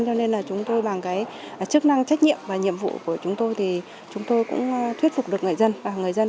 cho nên là chúng tôi bằng cái chức năng trách nhiệm và nhiệm vụ của chúng tôi thì chúng tôi cũng thuyết phục được người dân